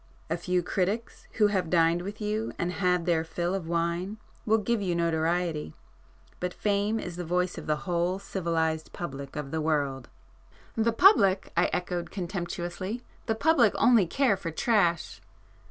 A few critics who have dined with you and had their fill of wine, will give you notoriety. But fame is the voice of the whole civilized public of the world." "The public!" I echoed contemptuously—"The public only care for trash."